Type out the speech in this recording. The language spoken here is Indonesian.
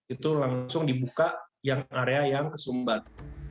itu langsung dibuka yang area yang kesumbat